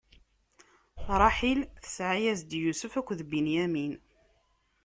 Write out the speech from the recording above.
Ṛaḥil tesɛa-yas-d: Yusef akked Binyamin.